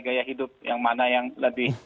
gaya hidup yang mana yang lebih